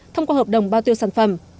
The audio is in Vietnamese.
thông qua hợp đồng bao tiêu sản phẩm